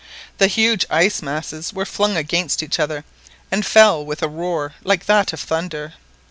The huge ice masses were flung against each other, and fell with a roar like that of thunder.